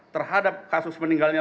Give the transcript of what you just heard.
terhadap kasus meninggalnya